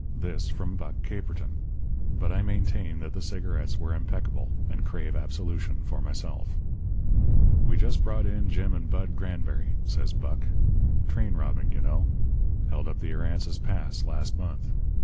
This from Buck Caperton! But I maintain that the cigarettes were impeccable, and crave absolution for myself. "We just brought in Jim and Bud Granberry," said Buck. "Train robbing, you know. Held up the Aransas Pass last month.